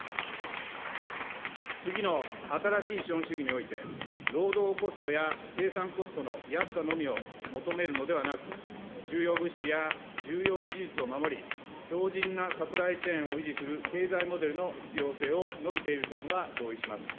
次の新しい資本主義において、労働コストや生産コストの安さのみを求めるのではなく、重要物資や重要技術を守り、強じんなサプライチェーンを維持する経済モデルの必要性を述べている点は同意します。